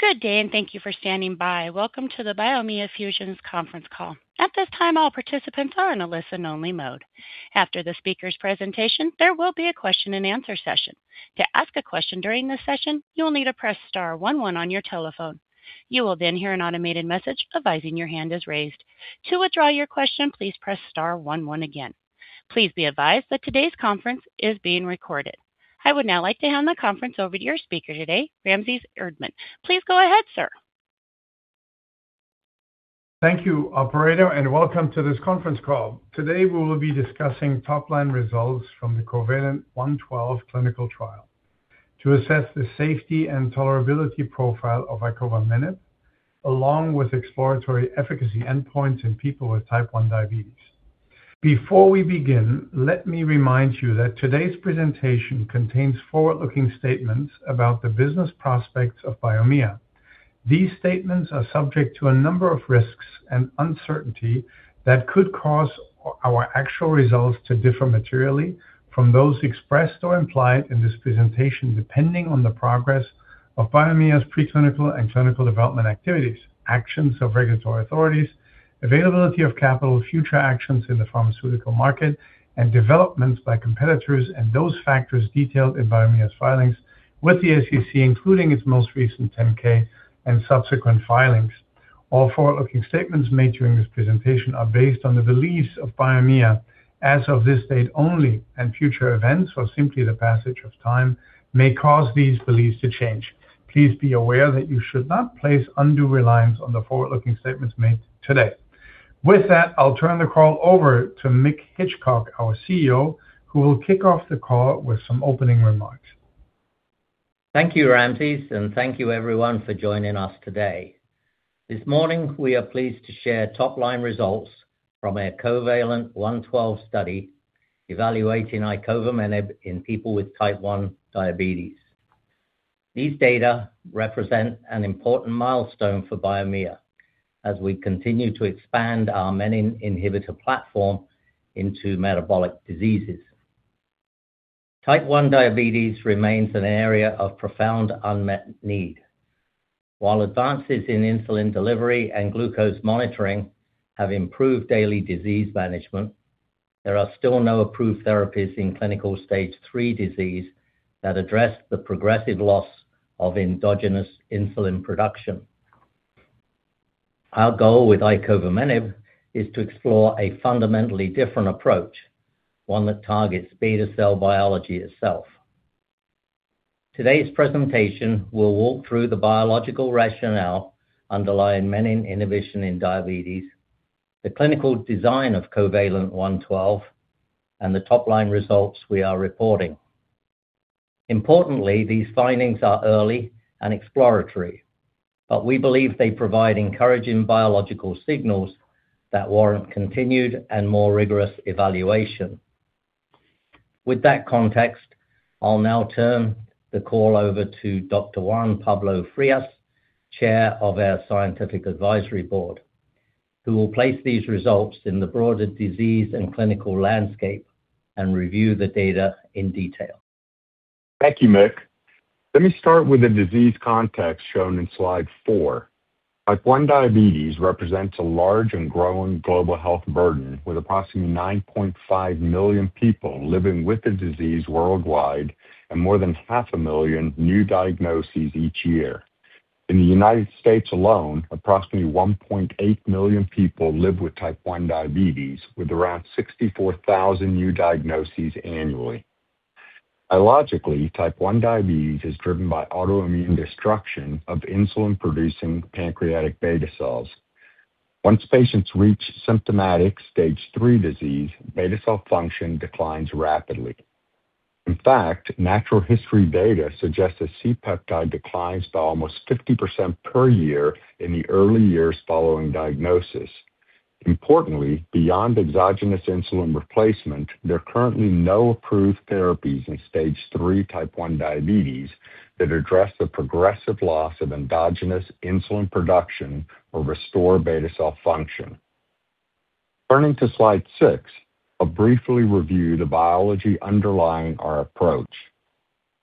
Good day, and thank you for standing by. Welcome to the Biomea Fusion conference call. At this time, all participants are in a listen only mode. After the speaker's presentation, there will be a question and answer session. To ask a question during this session, you will need to press star 11 on your telephone. You will then hear an automated message advising your hand is raised. To withdraw your question, please press star 11 again. Please be advised that today's conference is being recorded. I would now like to hand the conference over to your speaker today, Ramses Erdtmann. Please go ahead, sir. Thank you, operator, and welcome to this conference call. Today we will be discussing top-line results from the COVALENT-112 clinical trial to assess the safety and tolerability profile of icovamenib, along with exploratory efficacy endpoints in people with type 1 diabetes. Before we begin, let me remind you that today's presentation contains forward-looking statements about the business prospects of Biomea Fusion. These statements are subject to a number of risks and uncertainty that could cause our actual results to differ materially from those expressed or implied in this presentation, depending on the progress of Biomea Fusion's preclinical and clinical development activities, actions of regulatory authorities, availability of capital, future actions in the pharmaceutical market, and developments by competitors, and those factors detailed in Biomea Fusion's filings with the SEC, including its most recent 10-K and subsequent filings. All forward-looking statements made during this presentation are based on the beliefs of Biomea Fusion as of this date only. Future events or simply the passage of time may cause these beliefs to change. Please be aware that you should not place undue reliance on the forward-looking statements made today. With that, I'll turn the call over to Mick Hitchcock, our CEO, who will kick off the call with some opening remarks. Thank you, Ramses. Thank you everyone for joining us today. This morning we are pleased to share top-line results from our COVALENT-112 study evaluating icovamenib in people with type 1 diabetes. These data represent an important milestone for Biomea Fusion as we continue to expand our menin inhibitor platform into metabolic diseases. Type 1 diabetes remains an area of profound unmet need. While advances in insulin delivery and glucose monitoring have improved daily disease management, there are still no approved therapies in clinical stage 3 disease that address the progressive loss of endogenous insulin production. Our goal with icovamenib is to explore a fundamentally different approach, one that targets beta cell biology itself. Today's presentation will walk through the biological rationale underlying menin inhibition in diabetes, the clinical design of COVALENT-112, and the top-line results we are reporting. Importantly, these findings are early and exploratory, but we believe they provide encouraging biological signals that warrant continued and more rigorous evaluation. With that context, I'll now turn the call over to Dr. Juan Pablo Frías, chair of our scientific advisory board, who will place these results in the broader disease and clinical landscape and review the data in detail. Thank you, Mick. Let me start with the disease context shown in slide four. Type 1 diabetes represents a large and growing global health burden, with approximately 9.5 million people living with the disease worldwide and more than 500,000 new diagnoses each year. In the U.S. alone, approximately 1.8 million people live with type 1 diabetes, with around 64,000 new diagnoses annually. Etiologically, type 1 diabetes is driven by autoimmune destruction of insulin-producing pancreatic beta cells. Once patients reach symptomatic stage 3 disease, beta cell function declines rapidly. In fact, natural history data suggests that C-peptide declines by almost 50% per year in the early years following diagnosis. Importantly, beyond exogenous insulin replacement, there are currently no approved therapies in stage 3 type 1 diabetes that address the progressive loss of endogenous insulin production or restore beta cell function. Turning to slide 6, I'll briefly review the biology underlying our approach.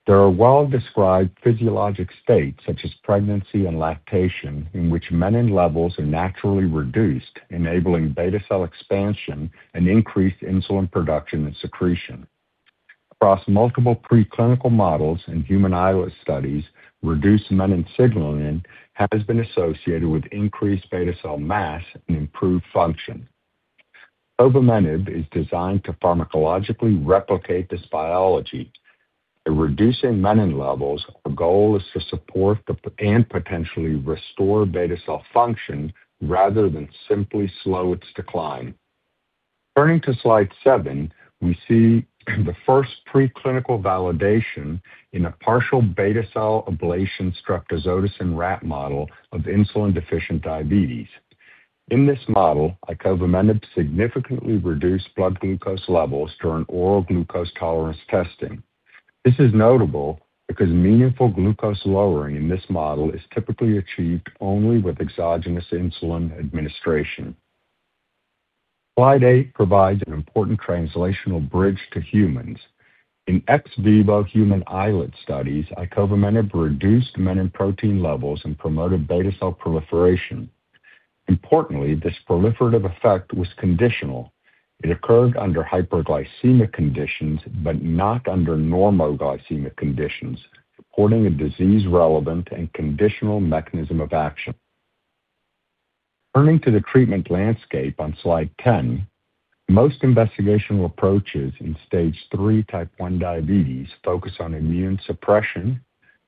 There are well-described physiologic states, such as pregnancy and lactation, in which menin levels are naturally reduced, enabling beta cell expansion and increased insulin production and secretion. Across multiple preclinical models and human islet studies, reduced menin signaling has been associated with increased beta cell mass and improved function. Icovamenib is designed to pharmacologically replicate this biology. By reducing menin levels, our goal is to support the, and potentially restore beta cell function rather than simply slow its decline. Turning to slide 7, we see the first preclinical validation in a partial beta cell ablation streptozotocin rat model of insulin deficient diabetes. In this model, icovamenib significantly reduced blood glucose levels during oral glucose tolerance testing. This is notable because meaningful glucose lowering in this model is typically achieved only with exogenous insulin administration. Slide 8 provides an important translational bridge to humans. In ex vivo human islet studies, icovamenib reduced menin protein levels and promoted beta cell proliferation. Importantly, this proliferative effect was conditional. It occurred under hyperglycemic conditions, but not under normoglycemic conditions, supporting a disease relevant and conditional mechanism of action. Turning to the treatment landscape on slide 10, most investigational approaches in stage III type 1 diabetes focus on immune suppression,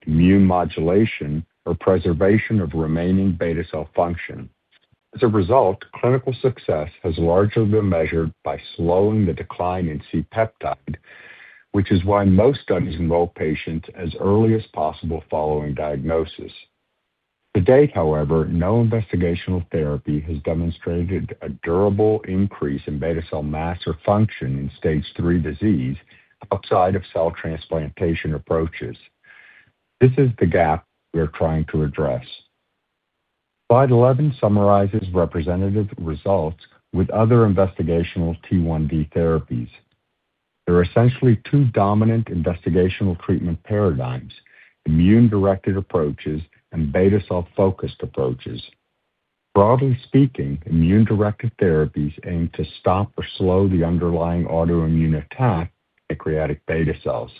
immune modulation, or preservation of remaining beta cell function. As a result, clinical success has largely been measured by slowing the decline in C-peptide, which is why most studies enroll patients as early as possible following diagnosis. To date, however, no investigational therapy has demonstrated a durable increase in beta cell mass or function in stage 3 disease outside of cell transplantation approaches. This is the gap we are trying to address. Slide 11 summarizes representative results with other investigational T1D therapies. There are essentially two dominant investigational treatment paradigms, immune-directed approaches and beta cell-focused approaches. Broadly speaking, immune-directed therapies aim to stop or slow the underlying autoimmune attack in pancreatic beta cells.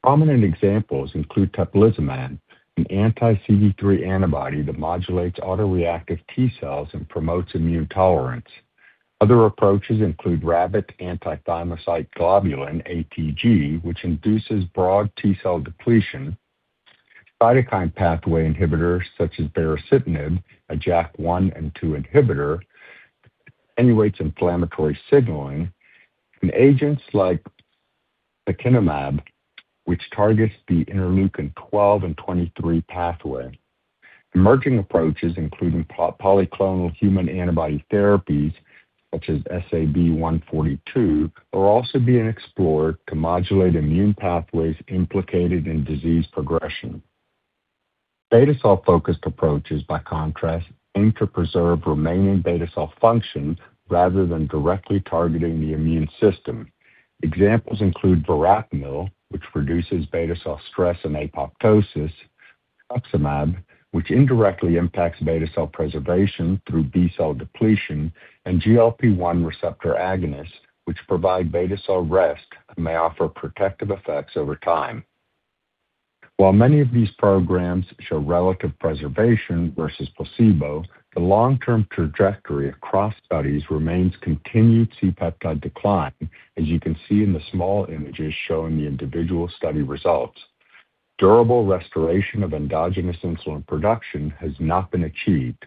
Prominent examples include eplizumab, an anti-CD3 antibody that modulates autoreactive T cells and promotes immune tolerance. Other approaches include rabbit Antithymocyte Globulin, ATG, which induces broad T cell depletion, cytokine pathway inhibitors such as baricitinib, a JAK1 and JAK2 inhibitor that attenuates inflammatory signaling, and agents like ustekinumab, which targets the interleukin-12 and -23 pathway. Emerging approaches, including polyclonal human antibody therapies such as SAB-142, are also being explored to modulate immune pathways implicated in disease progression. Beta cell-focused approaches, by contrast, aim to preserve remaining beta cell function rather than directly targeting the immune system. Examples include verapamil, which reduces beta cell stress and apoptosis, rituximab, which indirectly impacts beta cell preservation through B cell depletion, and GLP-1 receptor agonists, which provide beta cell rest and may offer protective effects over time. While many of these programs show relative preservation versus placebo, the long-term trajectory across studies remains continued C-peptide decline, as you can see in the small images showing the individual study results. Durable restoration of endogenous insulin production has not been achieved.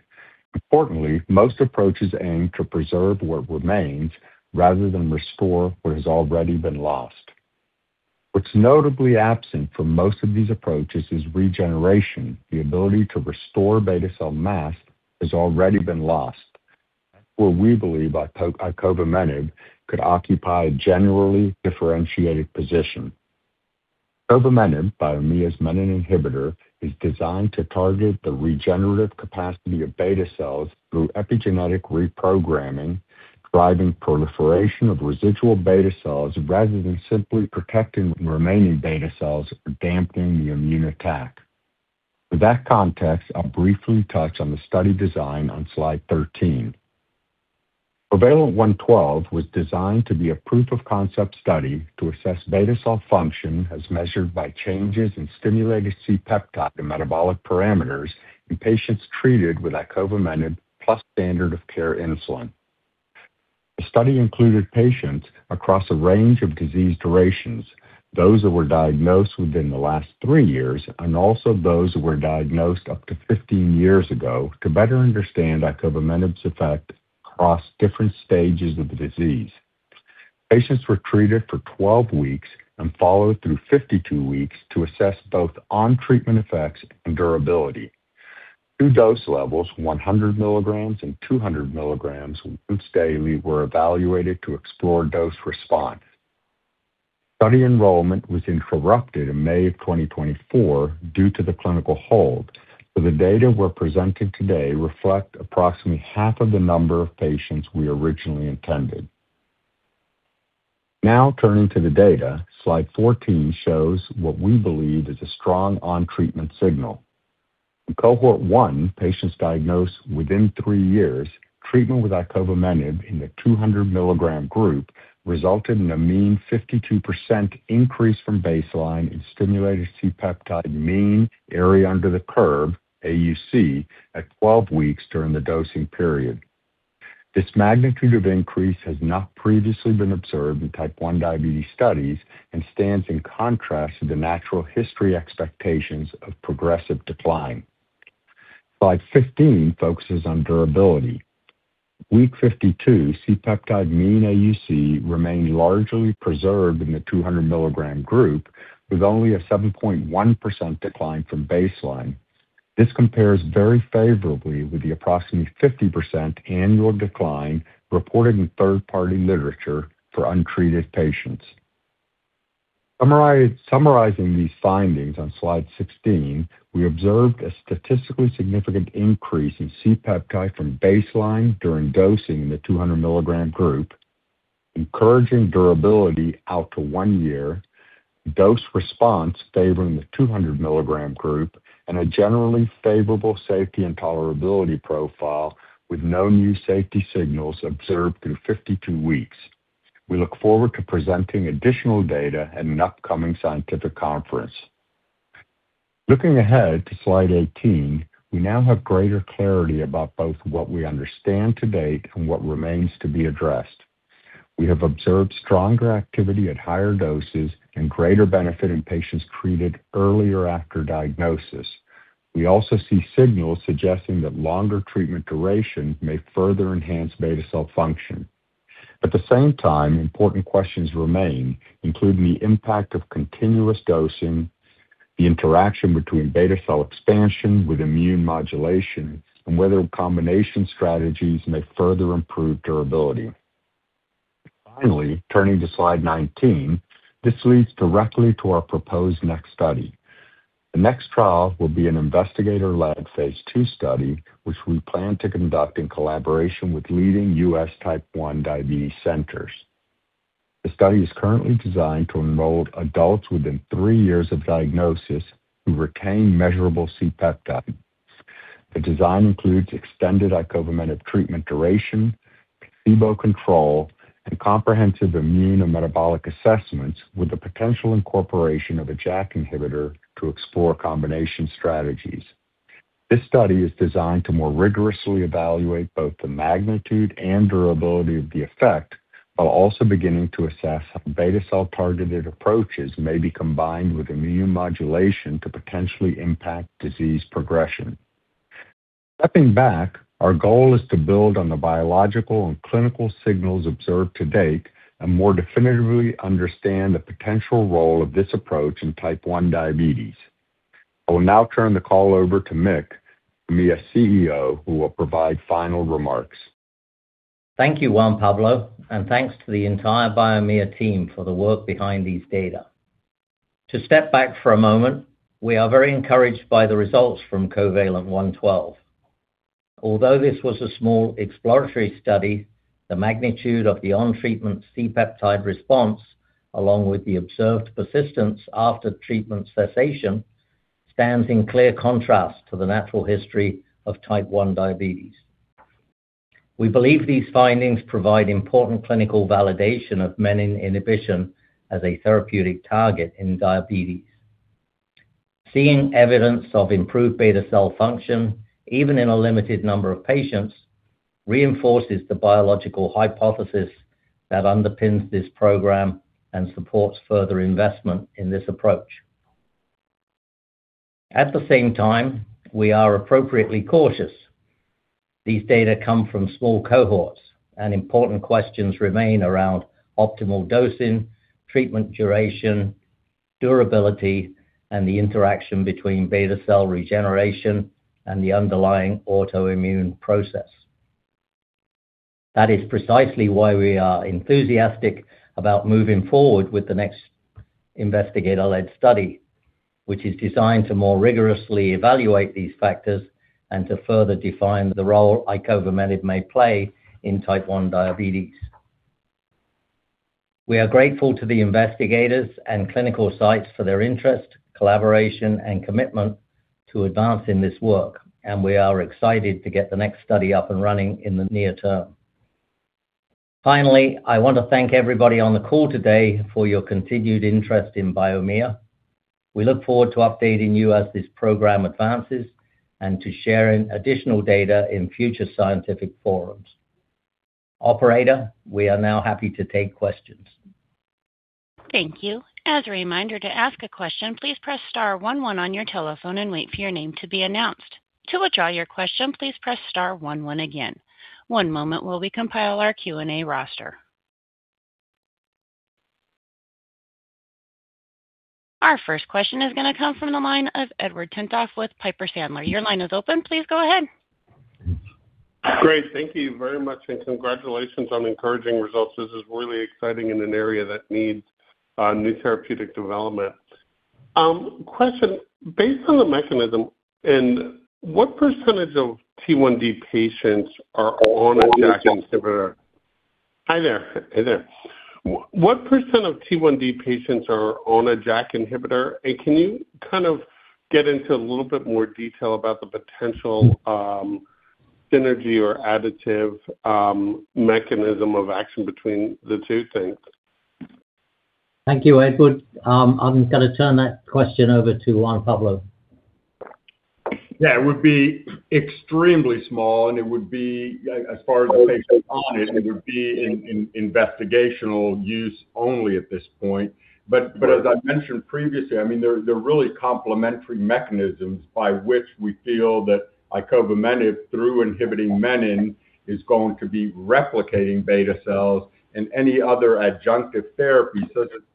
Importantly, most approaches aim to preserve what remains rather than restore what has already been lost. What's notably absent from most of these approaches is regeneration. The ability to restore beta cell mass has already been lost. That's where we believe icovamenib could occupy a genuinely differentiated position. Icovamenib, Biomea's menin inhibitor, is designed to target the regenerative capacity of beta cells through epigenetic reprogramming, driving proliferation of residual beta cells rather than simply protecting remaining beta cells or dampening the immune attack. With that context, I'll briefly touch on the study design on slide 13. COVALENT-112 was designed to be a proof of concept study to assess beta cell function as measured by changes in stimulated C-peptide and metabolic parameters in patients treated with icovamenib plus standard of care insulin. The study included patients across a range of disease durations, those that were diagnosed within the last three years and also those who were diagnosed up to 15 years ago to better understand icovamenib's effect across different stages of the disease. Patients were treated for 12 weeks and followed through 52 weeks to assess both on treatment effects and durability. Two dose levels, 100mg and 200mg, once daily were evaluated to explore dose response. Study enrollment was interrupted in May of 2024 due to the clinical hold, the data we're presenting today reflect approximately half of the number of patients we originally intended. Turning to the data, slide 14 shows what we believe is a strong on treatment signal. In cohort 1, patients diagnosed within three years, treatment with icovamenib in the 200mg group resulted in a mean 52% increase from baseline in stimulated C-peptide mean area under the curve, AUC, at 12 weeks during the dosing period. This magnitude of increase has not previously been observed in type 1 diabetes studies and stands in contrast to the natural history expectations of progressive decline. Slide 15 focuses on durability. Week 52, C-peptide mean AUC remained largely preserved in the 200mg group, with only a 7.1% decline from baseline. This compares very favorably with the approximately 50% annual decline reported in third-party literature for untreated patients. Summarizing these findings on slide 16, we observed a statistically significant increase in C-peptide from baseline during dosing in the 200mg group, encouraging durability out to one year, dose response favoring the 200mg group, and a generally favorable safety and tolerability profile with no new safety signals observed through 52 weeks. We look forward to presenting additional data at an upcoming scientific conference. Looking ahead to slide 18, we now have greater clarity about both what we understand to date and what remains to be addressed. We have observed stronger activity at higher doses and greater benefit in patients treated earlier after diagnosis. We also see signals suggesting that longer treatment duration may further enhance beta cell function. At the same time, important questions remain, including the impact of continuous dosing, the interaction between beta cell expansion with immune modulation, and whether combination strategies may further improve durability. Turning to slide 19, this leads directly to our proposed next study. The next trial will be an investigator-led phase II study, which we plan to conduct in collaboration with leading U.S. type 1 diabetes centers. The study is currently designed to enroll adults within three years of diagnosis who retain measurable C-peptide. The design includes extended icovamenib treatment duration, placebo control, and comprehensive immune and metabolic assessments with the potential incorporation of a JAK inhibitor to explore combination strategies. This study is designed to more rigorously evaluate both the magnitude and durability of the effect, while also beginning to assess how beta cell-targeted approaches may be combined with immune modulation to potentially impact disease progression. Stepping back, our goal is to build on the biological and clinical signals observed to date and more definitively understand the potential role of this approach in type 1 diabetes. I will now turn the call over to Michael J.M. Hitchcock, Interim Chief Executive Officer, who will provide final remarks. Thank you, Juan Pablo, and thanks to the entire Biomea team for the work behind these data. To step back for a moment, we are very encouraged by the results from COVALENT-112. Although this was a small exploratory study, the magnitude of the on-treatment C-peptide response, along with the observed persistence after treatment cessation, stands in clear contrast to the natural history of type 1 diabetes. We believe these findings provide important clinical validation of menin inhibition as a therapeutic target in diabetes. Seeing evidence of improved beta cell function, even in a limited number of patients, reinforces the biological hypothesis that underpins this program and supports further investment in this approach. At the same time, we are appropriately cautious. These data come from small cohorts, and important questions remain around optimal dosing, treatment duration, durability, and the interaction between beta cell regeneration and the underlying autoimmune process. That is precisely why we are enthusiastic about moving forward with the next investigator-led study, which is designed to more rigorously evaluate these factors and to further define the role icovamenib may play in type 1 diabetes. We are grateful to the investigators and clinical sites for their interest, collaboration, and commitment to advancing this work. We are excited to get the next study up and running in the near term. I want to thank everybody on the call today for your continued interest in Biomea Fusion. We look forward to updating you as this program advances and to sharing additional data in future scientific forums. Operator, we are now happy to take questions. Thank you. As a reminder, to ask a question, please press star one one on your telephone and wait for your name to be announced. To withdraw your question, please press star one one again. One moment while we compile our Q&A roster. Our first question is going to come from the line of Edward Tenthoff with Piper Sandler. Your line is open. Please go ahead. Great. Thank you very much. Congratulations on encouraging results. This is really exciting in an area that needs, new therapeutic development. Question: Based on the mechanism and what % of T1D patients are on a JAK inhibitor? Hi there. Hey there. What % of T1D patients are on a JAK inhibitor? Can you kind of get into a little bit more detail about the potential, synergy or additive, mechanism of action between the two things? Thank you, Edward. I'm going to turn that question over to Juan Pablo. Yeah, it would be extremely small, and it would be, as far as patients on it would be in investigational use only at this point. As I mentioned previously, I mean, they're really complementary mechanisms by which we feel that icovamenib through inhibiting menin is going to be replicating beta cells, and any other adjunctive therapy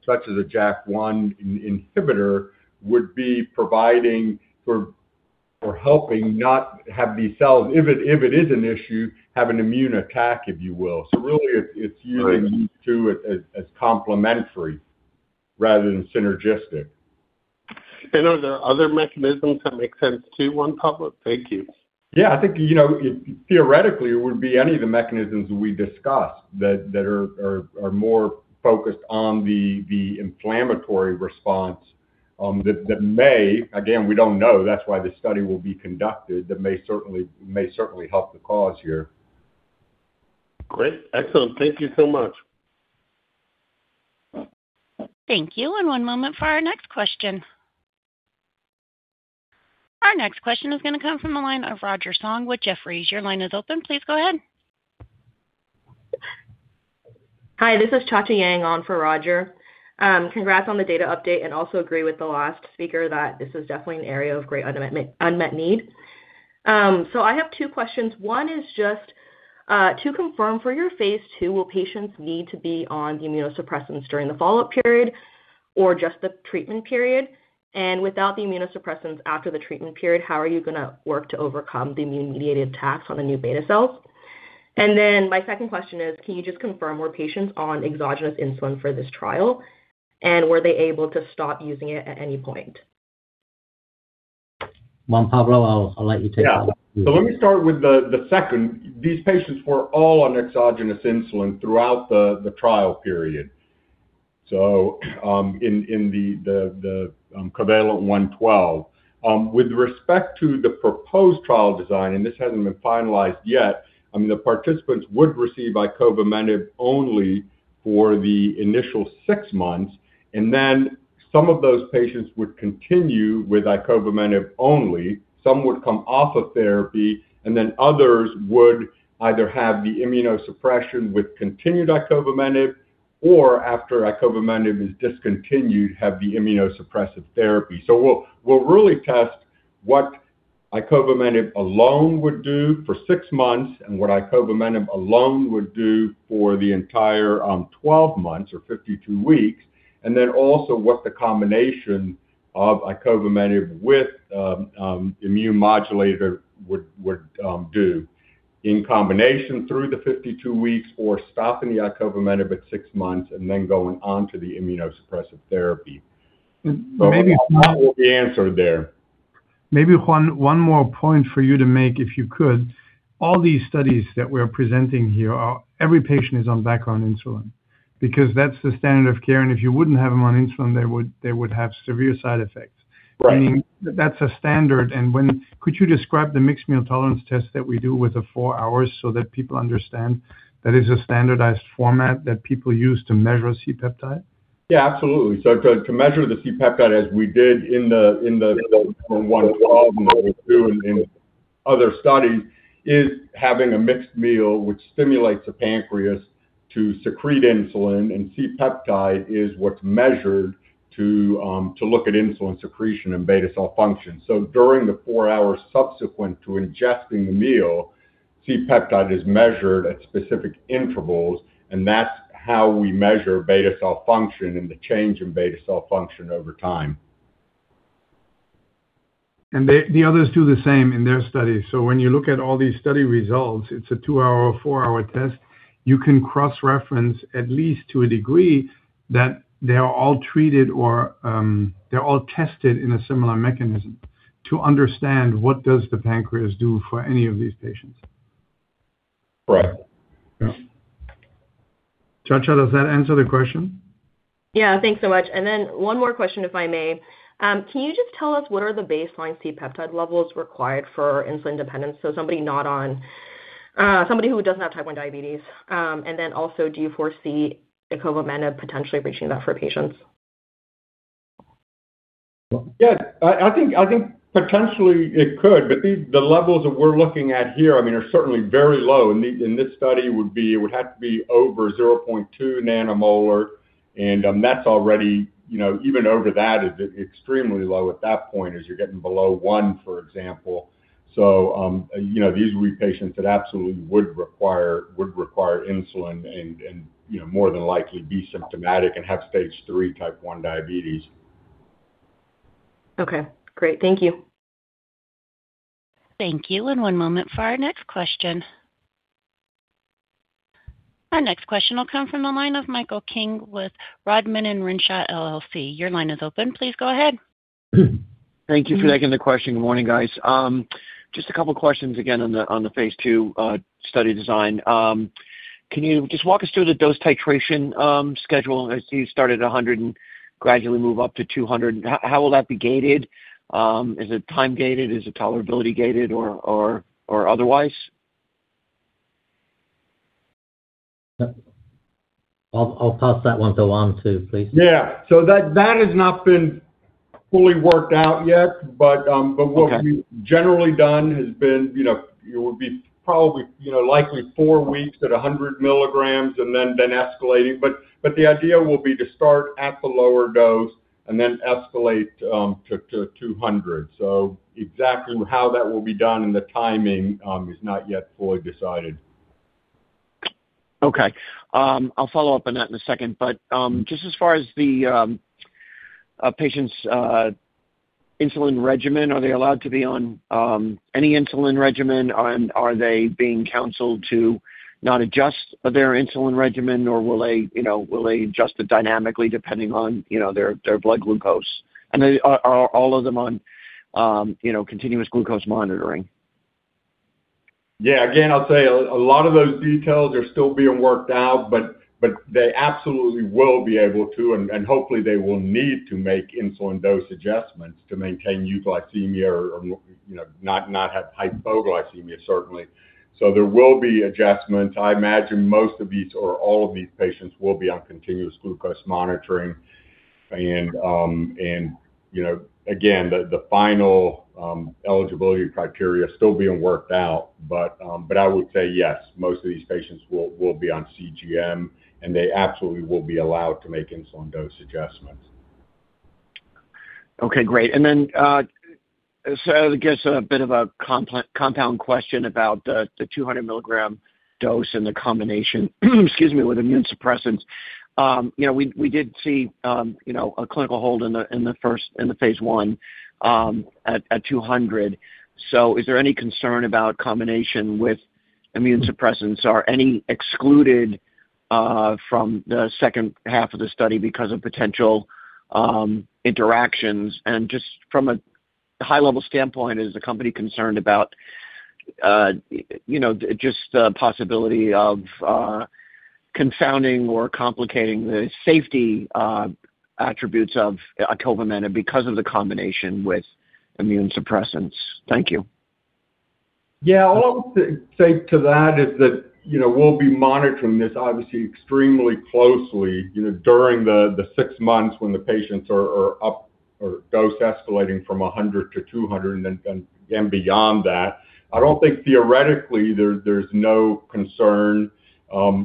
such as a JAK1 inhibitor would be providing. For helping not have these cells, if it is an issue, have an immune attack, if you will. Really it's using. Right. -these two as complementary rather than synergistic. Are there other mechanisms that make sense too, Juan Pablo? Thank you. Yeah. I think, you know, theoretically, it would be any of the mechanisms we discussed that are more focused on the inflammatory response. Again, we don't know. That's why this study will be conducted. That may certainly help the cause here. Great. Excellent. Thank you so much. Thank you. One moment for our next question. Our next question is going to come from the line of Roger Song with Jefferies. Your line is open. Please go ahead. Hi, this is Chacha Yang on for Roger Song. Congrats on the data update. Also agree with the last speaker that this is definitely an area of great unmet need. I have two questions. One is just to confirm for your phase II, will patients need to be on immunosuppressants during the follow-up period or just the treatment period? Without the immunosuppressants after the treatment period, how are you gonna work to overcome the immune-mediated attacks on the new beta cells? My second question is, can you just confirm, were patients on exogenous insulin for this trial? Were they able to stop using it at any point? Juan Pablo Frías, I'll let you take that. Yeah. Let me start with the second. These patients were all on exogenous insulin throughout the trial period. In COVALENT-112, with respect to the proposed trial design, and this hasn't been finalized yet, I mean, the participants would receive icovamenib only for the initial six months, and then some of those patients would continue with icovamenib only. Some would come off of therapy, and then others would either have the immunosuppression with continued icovamenib or after icovamenib is discontinued, have the immunosuppressive therapy. We'll really test what icovamenib alone would do for six months and what icovamenib alone would do for the entire 12 months or 52 weeks. Also what the combination of icovamenib with a immune modulator would do in combination through the 52 weeks or stopping the icovamenib at six months and then going on to the immunosuppressive therapy. Maybe, Juan- That will be answered there. Maybe, Juan, one more point for you to make, if you could. All these studies that we're presenting here are every patient is on background insulin because that's the standard of care. If you wouldn't have them on insulin, they would have severe side effects. Right. I mean, that's a standard. Could you describe the mixed meal tolerance test that we do with the four hours so that people understand that is a standardized format that people use to measure C-peptide? Yeah, absolutely. To measure the C-peptide, as we did in the 112 and the other two and in other studies, is having a mixed meal which stimulates the pancreas to secrete insulin. C-peptide is what's measured to look at insulin secretion and beta cell function. During the four hours subsequent to ingesting the meal, C-peptide is measured at specific intervals, and that's how we measure beta cell function and the change in beta cell function over time. The, the others do the same in their studies. When you look at all these study results, it's a two-hour or four-hour test. You can cross-reference at least to a degree that they are all treated or, they're all tested in a similar mechanism to understand what does the pancreas do for any of these patients. Right. Yeah. Chacha, does that answer the question? Yeah. Thanks so much. One more question, if I may. Can you just tell us what are the baseline C-peptide levels required for insulin dependence? Somebody not on, somebody who doesn't have type 1 diabetes. Also, do you foresee icovamenib potentially reaching that for patients? Yeah. I think potentially it could, but the levels that we're looking at here, I mean, are certainly very low. In the, in this study would be, it would have to be over 0.2 nanomolar. That's already, you know, even over that is extremely low at that point as you're getting below one, for example. You know, these would be patients that absolutely would require, would require insulin and, you know, more than likely be symptomatic and have stage III type 1 diabetes. Okay. Great. Thank you. Thank you. One moment for our next question. Our next question will come from the line of Michael King with Rodman & Renshaw LLC. Please go ahead. Thank you for taking the question. Good morning, guys. Just a couple questions again on the, on the phase II study design. Can you just walk us through the dose titration schedule? I see you started 100 and gradually move up to 200. How will that be gated? Is it time-gated? Is it tolerability gated or otherwise? I'll pass that one to Juan too, please. Yeah. That has not been fully worked out yet. Okay. What we've generally done has been, you know, it would be probably, you know, likely four weeks at 100mg and then escalating. The idea will be to start at the lower dose and then escalate to 200. Exactly how that will be done and the timing is not yet fully decided. Okay. I'll follow up on that in a second. Just as far as the patient's insulin regimen, are they allowed to be on any insulin regimen? Are they being counseled to not adjust their insulin regimen, or will they, you know, will they adjust it dynamically depending on, you know, their blood glucose? Are all of them on, you know, continuous glucose monitoring? Yeah. Again, I'll say a lot of those details are still being worked out, but they absolutely will be able to, and hopefully they will need to make insulin dose adjustments to maintain euglycemia or, you know, not have hypoglycemia, certainly. There will be adjustments. I imagine most of these or all of these patients will be on continuous glucose monitoring. You know, again, the final eligibility criteria are still being worked out, but I would say yes, most of these patients will be on CGM, they absolutely will be allowed to make insulin dose adjustments. Okay, great. I guess a bit of a compound question about the 200mg dose and the combination, excuse me, with immunosuppressants. You know, we did see, you know, a clinical hold in the phase I, at 200. Is there any concern about combination with immunosuppressants? Are any excluded from the H2 of the study because of potential interactions? Just from a high-level standpoint, is the company concerned about, you know, just the possibility of confounding or complicating the safety attributes of icovamenib because of the combination with immunosuppressants? Thank you. All I would say to that is that, you know, we'll be monitoring this obviously extremely closely, you know, during the six months when the patients are up or dose escalating from 100 to 200 and then beyond that. I don't think theoretically there's no concern above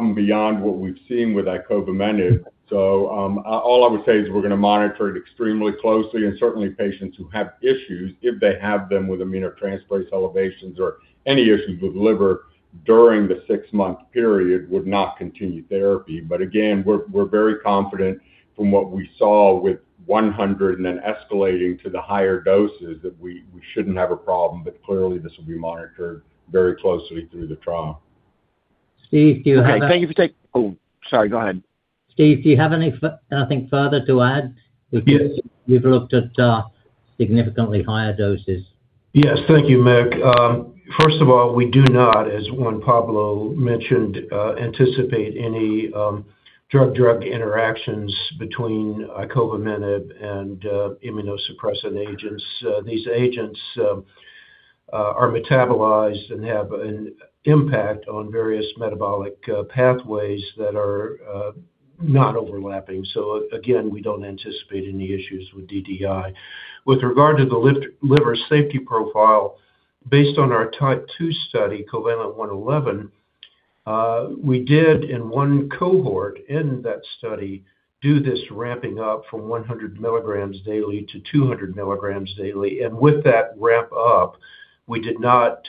and beyond what we've seen with icovamenib. All I would say is we're gonna monitor it extremely closely, and certainly patients who have issues, if they have them with aminotransferase elevations or any issues with liver during the six-month period, would not continue therapy. Again, we're very confident from what we saw with 100 and then escalating to the higher doses that we shouldn't have a problem. Clearly, this will be monitored very closely through the trial. Steve, do you have. Okay. Oh, sorry, go ahead. Steve, do you have anything further to add? Yes. You've looked at significantly higher doses. Yes. Thank you, Mick. First of all, we do not, as Juan Pablo mentioned, anticipate any drug-drug interactions between icovamenib and immunosuppressant agents. These agents are metabolized and have an impact on various metabolic pathways that are not overlapping. Again, we don't anticipate any issues with DDI. With regard to the liver safety profile, based on our type 2 study, COVALENT-111, we did in one cohort in that study, do this ramping up from 100mg daily to 200mg daily. With that ramp up, we did not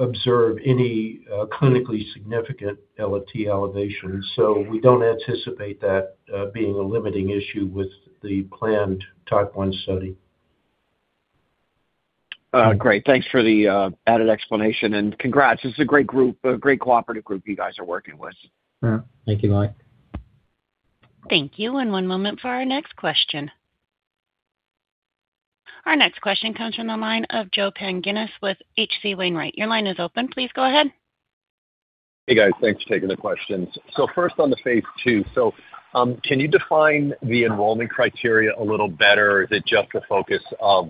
observe any clinically significant ALT elevations. We don't anticipate that being a limiting issue with the planned type 1 study. Great. Thanks for the added explanation. Congrats. This is a great group, a great cooperative group you guys are working with. Yeah. Thank you, Mike. Thank you. One moment for our next question. Our next question comes from the line of Joseph Pantginis with H.C. Wainwright. Your line is open. Please go ahead. Hey, guys. Thanks for taking the questions. First on the phase II. Can you define the enrollment criteria a little better? Is it just a focus of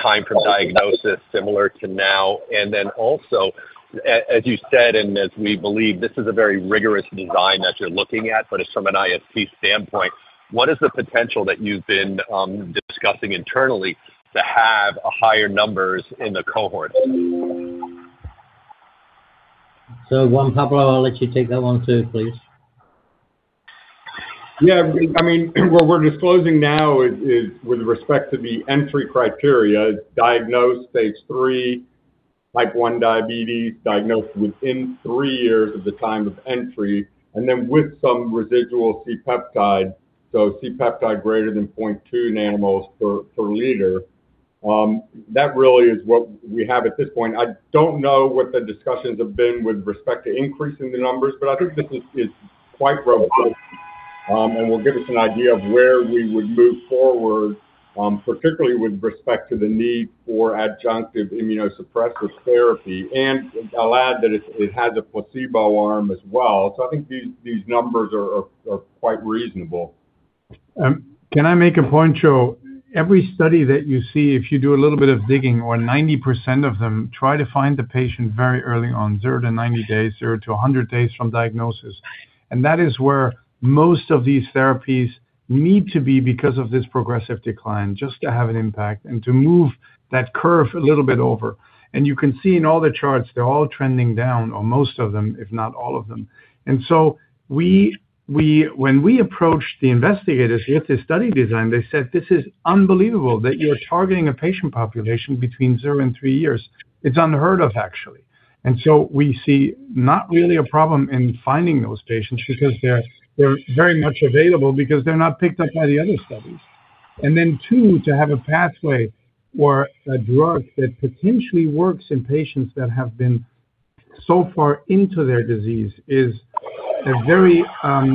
time from diagnosis similar to now? As you said, and as we believe, this is a very rigorous design that you're looking at, but from an IST standpoint, what is the potential that you've been discussing internally to have a higher numbers in the cohort? Juan Pablo, I'll let you take that one too, please. I mean, what we're disclosing now is with respect to the entry criteria, diagnosed stage 3 type 1 diabetes, diagnosed within three years of the time of entry, and then with some residual C-peptide, so C-peptide greater than 0.2 nanomoles per liter. That really is what we have at this point. I don't know what the discussions have been with respect to increasing the numbers, but I think this is quite robust and will give us an idea of where we would move forward, particularly with respect to the need for adjunctive immunosuppressive therapy. I'll add that it has a placebo arm as well. I think these numbers are quite reasonable. Can I make a point, Joe? Every study that you see, if you do a little bit of digging or 90% of them, try to find the patient very early on, 0-90 days, 0-100 days from diagnosis. That is where most of these therapies need to be because of this progressive decline, just to have an impact and to move that curve a little bit over. You can see in all the charts, they're all trending down or most of them, if not all of them. When we approached the investigators with this study design, they said, "This is unbelievable that you're targeting a patient population between 0 and three years." It's unheard of, actually. We see not really a problem in finding those patients because they're very much available because they're not picked up by the other studies. Then two, to have a pathway or a drug that potentially works in patients that have been so far into their disease is a very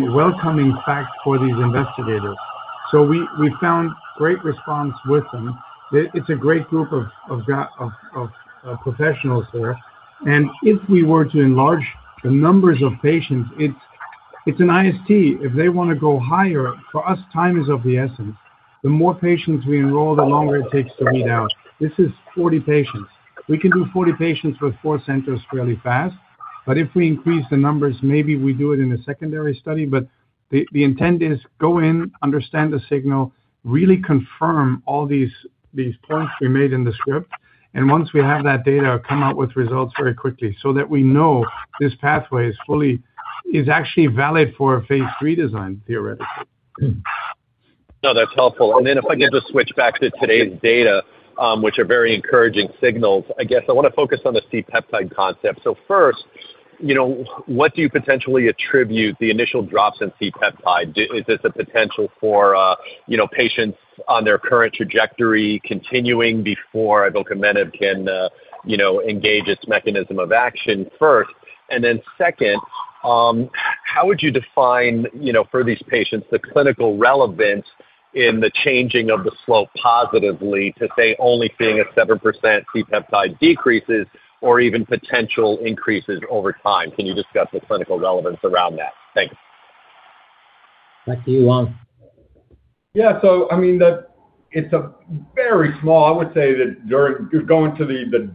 welcoming fact for these investigators. We found great response with them. It's a great group of professionals there. If we were to enlarge the numbers of patients, it's an IST. If they wanna go higher, for us, time is of the essence. The more patients we enroll, the longer it takes to read out. This is 40 patients. We can do 40 patients with four centers fairly fast. If we increase the numbers, maybe we do it in a secondary study. The intent is go in, understand the signal, really confirm all these points we made in the script. Once we have that data, come out with results very quickly so that we know this pathway is fully is actually valid for a phase III design, theoretically. No, that's helpful. If I could just switch back to today's data, which are very encouraging signals. I guess I wanna focus on the C-peptide concept. First, you know, what do you potentially attribute the initial drops in C-peptide? Is this a potential for, you know, patients on their current trajectory continuing before icovamenib can, you know, engage its mechanism of action, first? Second, how would you define, you know, for these patients, the clinical relevance in the changing of the slope positively to, say, only seeing a 7% C-peptide decreases or even potential increases over time? Can you discuss the clinical relevance around that? Thank you. Back to you, Juan. I mean, going to the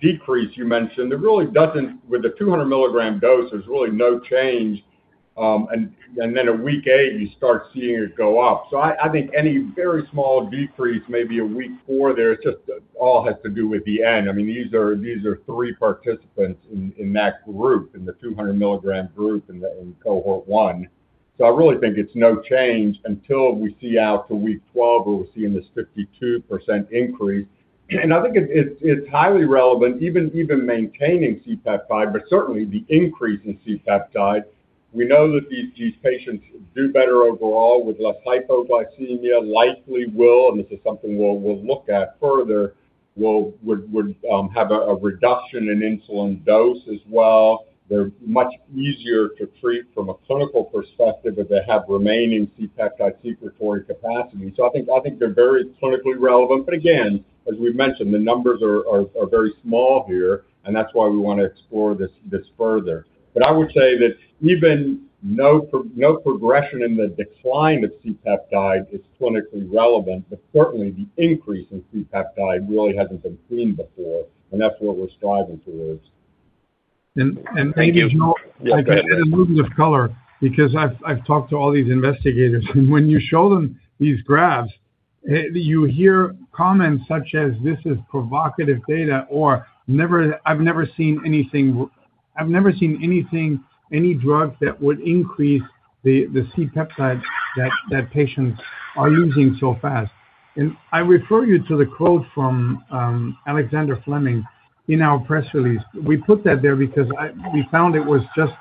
decrease you mentioned, with the 200mg dose, there's really no change. Then at week eight, you start seeing it go up. I think any very small decrease maybe at week four there, it just all has to do with the end. I mean, these are three participants in that group, in the 200mg group in cohort 1. I really think it's no change until we see out to week 12, where we're seeing this 52% increase. I think it's highly relevant, even maintaining C-peptide, but certainly the increase in C-peptide. We know that these patients do better overall with less hypoglycemia, likely will, and this is something we'll look at further, would have a reduction in insulin dose as well. They're much easier to treat from a clinical perspective if they have remaining C-peptide secretory capacity. I think they're very clinically relevant. Again, as we've mentioned, the numbers are very small here, and that's why we want to explore this further. I would say that even no progression in the decline of C-peptide is clinically relevant, but certainly the increase in C-peptide really hasn't been seen before, and that's what we're striving towards. Thank you. Yeah. Go ahead. I get a movement of color because I've talked to all these investigators, and when you show them these graphs, you hear comments such as, "This is provocative data," or "I've never seen anything, any drug that would increase the C-peptide that patients are using so fast." I refer you to the quote from Alexander Fleming in our press release. We put that there because we found it was just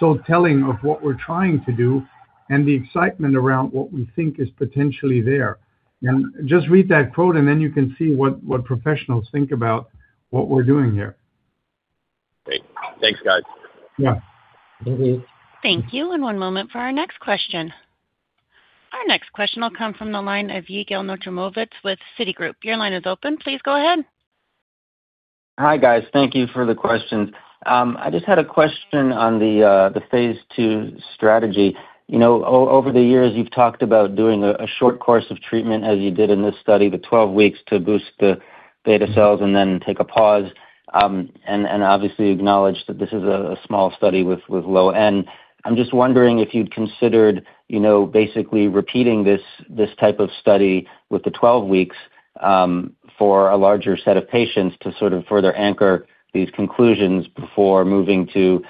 so telling of what we're trying to do and the excitement around what we think is potentially there. Just read that quote, then you can see what professionals think about what we're doing here. Great. Thanks, guys. Yeah. Mm-hmm. Thank you. One moment for our next question. Our next question will come from the line of Yigal Nochomovitz with Citigroup. Your line is open. Please go ahead. Hi, guys. Thank you for the questions. I just had a question on the phase II strategy. You know, over the years, you've talked about doing a short course of treatment, as you did in this study, the 12 weeks, to boost the beta cells and then take a pause. Obviously acknowledge that this is a small study with low N. I'm just wondering if you'd considered, you know, basically repeating this type of study with the 12 weeks, for a larger set of patients to sort of further anchor these conclusions before moving to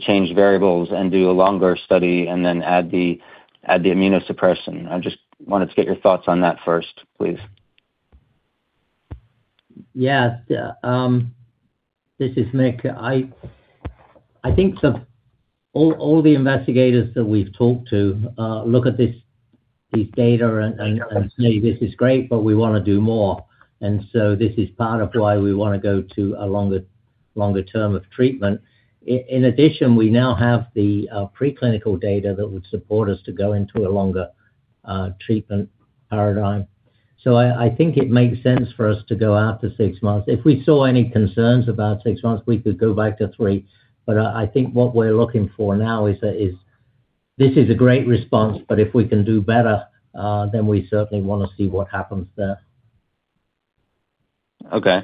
change variables and do a longer study and then add the immunosuppression. I just wanted to get your thoughts on that first, please. Yeah. This is Mick. I think all the investigators that we've talked to look at this data and say, "This is great, but we wanna do more." This is part of why we wanna go to a longer term of treatment. In addition, we now have the preclinical data that would support us to go into a longer treatment paradigm. I think it makes sense for us to go out to six months. If we saw any concerns about six months, we could go back to three. I think what we're looking for now is a great response, but if we can do better, we certainly wanna see what happens there. Okay.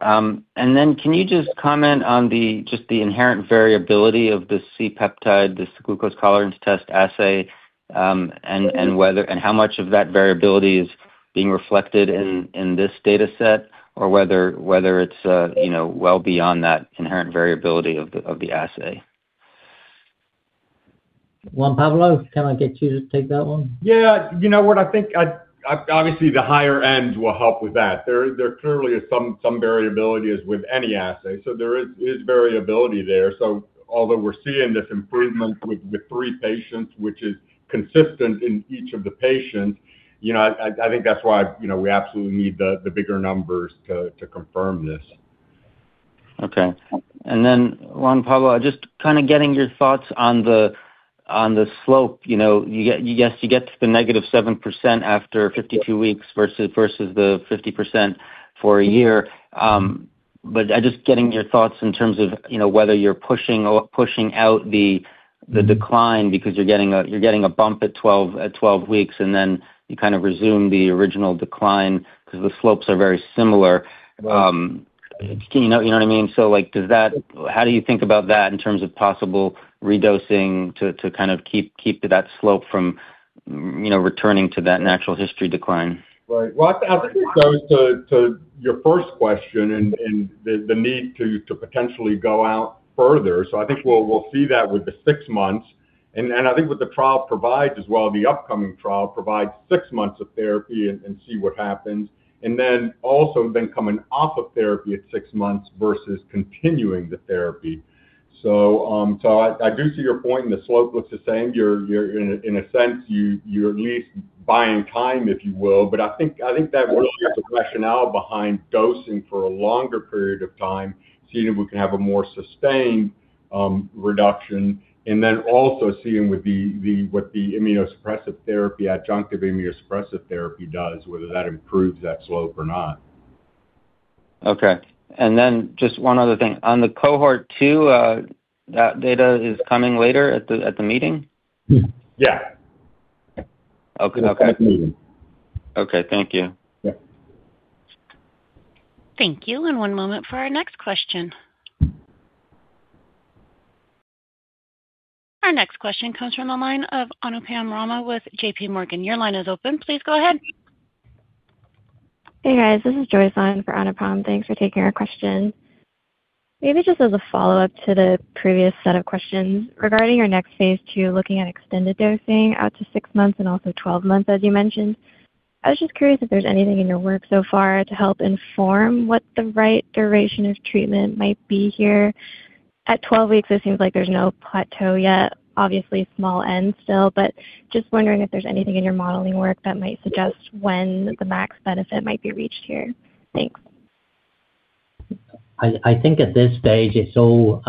Can you just comment on the, just the inherent variability of the C-peptide, this glucose tolerance test assay, and how much of that variability is being reflected in this data set or whether it's, you know, well beyond that inherent variability of the assay? Juan Pablo Frías, can I get you to take that one? Yeah. You know what? I think, obviously the higher end will help with that. There clearly is some variability as with any assay. There is variability there. Although we're seeing this improvement with three patients, which is consistent in each of the patients, you know, I think that's why, you know, we absolutely need the bigger numbers to confirm this. Okay. Juan Pablo, just kind of getting your thoughts on the slope. You know, yes, you get to the -7% after 52 weeks versus the 50% for one year. I just getting your thoughts in terms of, you know, whether you're pushing out the decline because you're getting a bump at 12 weeks, and then you kind of resume the original decline because the slopes are very similar. Do you know, you know what I mean? How do you think about that in terms of possible redosing to kind of keep to that slope from, you know, returning to that natural history decline? Right. Well, I think to your first question and the need to potentially go out further. I think we'll see that with the six months. I think what the trial provides as well, the upcoming trial provides six months of therapy and see what happens. Then also then coming off of therapy at six months versus continuing the therapy. I do see your point, and the slope looks the same. You're, in a sense, you're at least buying time, if you will. I think that really gets the rationale behind dosing for a longer period of time, seeing if we can have a more sustained reduction, and then also seeing with what the immunosuppressive therapy, adjunctive immunosuppressive therapy does, whether that improves that slope or not. Okay. Just one other thing. On the cohort 2, that data is coming later at the meeting? Yeah. Okay. At that meeting. Okay. Thank you. Yeah. Thank you, and one moment for our next question. Our next question comes from the line of Anupam Rama with JPMorgan. Your line is open. Please go ahead. Hey, guys. This is Joyce Lin for Anupam. Thanks for taking our question. Maybe just as a follow-up to the previous set of questions. Regarding your next phase II, looking at extended dosing out to six months and also 12 months, as you mentioned, I was just curious if there's anything in your work so far to help inform what the right duration of treatment might be here. At 12 weeks, it seems like there's no plateau yet. Obviously small n still, but just wondering if there's anything in your modeling work that might suggest when the max benefit might be reached here. Thanks. I think at this stage it's all,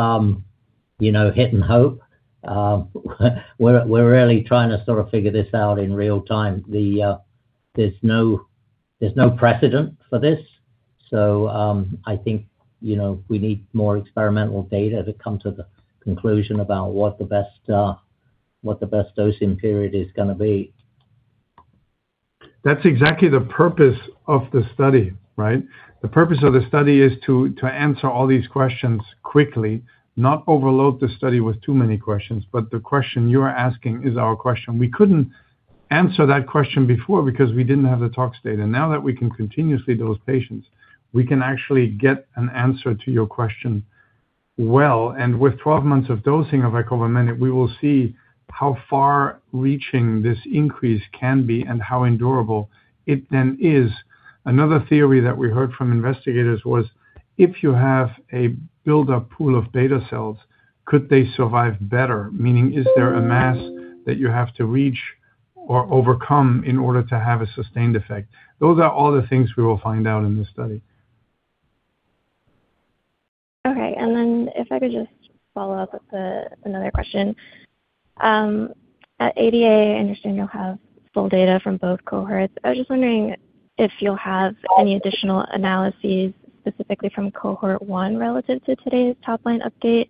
you know, hit and hope. We're really trying to sort of figure this out in real time. There's no precedent for this. I think, you know, we need more experimental data to come to the conclusion about what the best, what the best dosing period is gonna be. That's exactly the purpose of the study, right? The purpose of the study is to answer all these questions quickly, not overload the study with too many questions. The question you're asking is our question. We couldn't answer that question before because we didn't have the talks data. Now that we can continuously dose patients, we can actually get an answer to your question well. With 12 months of dosing of icovamenib, we will see how far reaching this increase can be and how endurable it then is. Another theory that we heard from investigators was, if you have a buildup pool of beta cells, could they survive better? Meaning, is there a mass that you have to reach or overcome in order to have a sustained effect? Those are all the things we will find out in this study. Okay. If I could just follow up with another question. At ADA, I understand you'll have full data from both cohorts. I was just wondering if you'll have any additional analyses specifically from cohort one relative to today's top-line update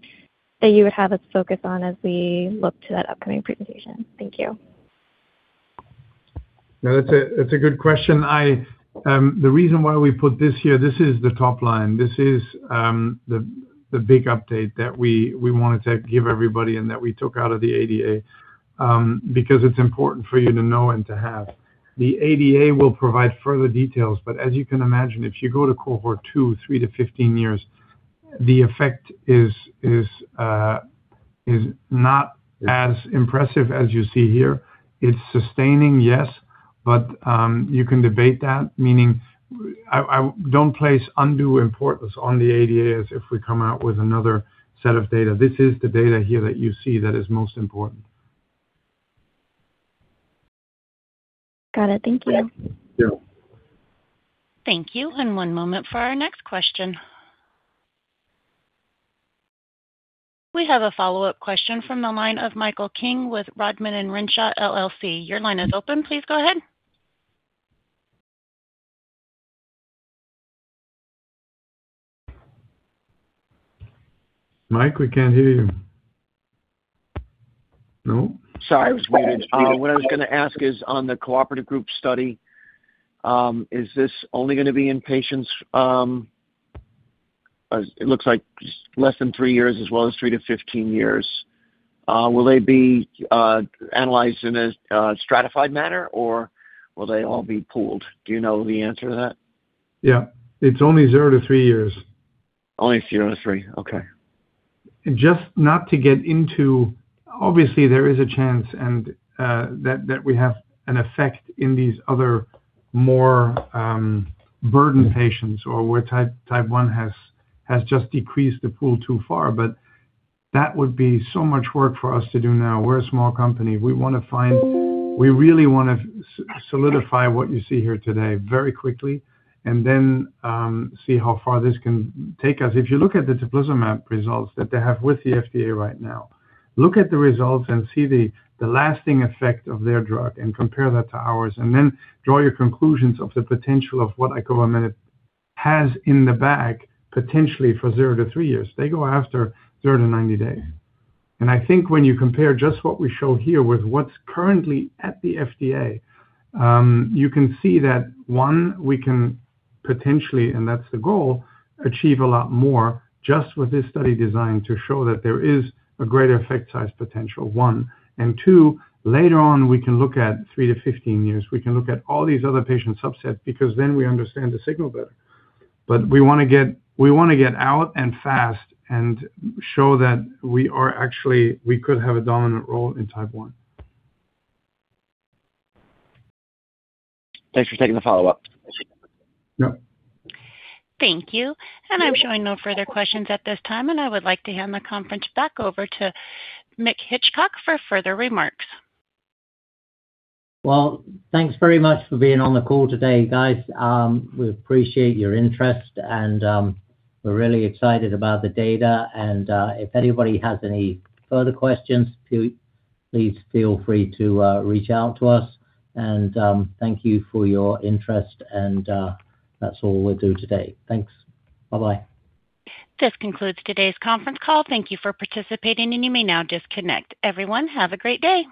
that you would have us focus on as we look to that upcoming presentation. Thank you. No, that's a good question. The reason why we put this here, this is the top line. This is the big update that we wanted to give everybody and that we took out of the ADA because it's important for you to know and to have. The ADA will provide further details, but as you can imagine, if you go to cohort two, three-15 years, the effect is not as impressive as you see here. It's sustaining, yes, but you can debate that. Meaning, I don't place undue importance on the ADA as if we come out with another set of data. This is the data here that you see that is most important. Got it. Thank you. Yeah. Thank you. One moment for our next question. We have a follow-up question from the line of Michael King with Rodman & Renshaw LLC. Your line is open. Please go ahead. Mike, we can't hear you. No? Sorry, I was muted. Okay. What I was gonna ask is on the cooperative group study, is this only gonna be in patients, it looks like less than three years as well as three to 15 years. Will they be analyzed in a stratified manner, or will they all be pooled? Do you know the answer to that? Yeah. It's only 0-3 years. Only zero to three. Okay. Just not to get into. Obviously, there is a chance that we have an effect in these other more burdened patients or where type 1 has just decreased the pool too far. That would be so much work for us to do now. We're a small company. We really wanna solidify what you see here today very quickly and then see how far this can take us. If you look at the teplizumab results that they have with the FDA right now, look at the results and see the lasting effect of their drug and compare that to ours, and then draw your conclusions of the potential of what icovamenib has in the bag, potentially for 0 to three years. They go after 0 to 90 days. I think when you compare just what we show here with what's currently at the FDA, you can see that, one, we can potentially, and that's the goal, achieve a lot more just with this study design to show that there is a greater effect size potential, one. Two, later on, we can look at three-15 years. We can look at all these other patient subsets because then we understand the signal better. We wanna get out and fast and show that we could have a dominant role in type 1. Thanks for taking the follow-up. Yeah. Thank you. I'm showing no further questions at this time, and I would like to hand the conference back over to Mick Hitchcock for further remarks. Well, thanks very much for being on the call today, guys. We appreciate your interest and we're really excited about the data. If anybody has any further questions, please feel free to reach out to us. Thank you for your interest and that's all we'll do today. Thanks. Bye-bye. This concludes today's conference call. Thank you for participating, and you may now disconnect. Everyone, have a great day.